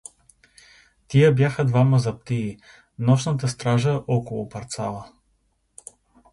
Тия бяха двама заптии, нощната стража около „парцала“.